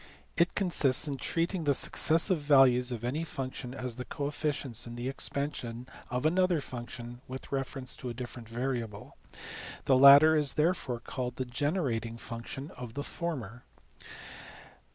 It consists in treating the successive values of any function as the coefficients in the expansion of another function with reference to a different variable. The latter is therefore called the generating function of the former.